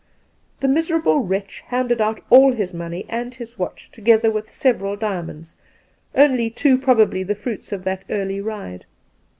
The miserable wretch handed out all his money and his Wateh, together with several diamonds, only too probably the fruits of that early ride.